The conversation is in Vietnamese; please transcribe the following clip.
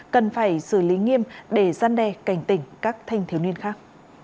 cần phải xử lý nghiêm để gian đe cảnh tỉnh các thanh thiếu niên khác